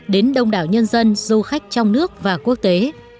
đến đông đảo nhân dân du khách trong nước và quốc tế